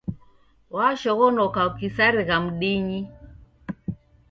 Washoghonoka ukisarigha mdinyi